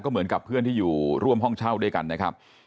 เหมือนกับเพื่อนที่อยู่ร่วมห้องเช่าด้วยกันนะครับ